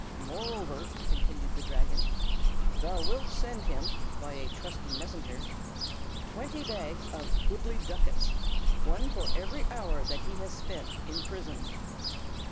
"Moreover," continued the Dragon, "thou wilt send him, by a trusty messenger, twenty bags of goodly ducats, one for every hour that he has spent in prison."